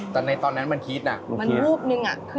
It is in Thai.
แต่ตอนนั้นมันคิดมันคิดออกมา